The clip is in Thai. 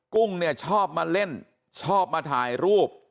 กุ้งเนี่ยชอบมาเล่นชอบมาถ่ายรูป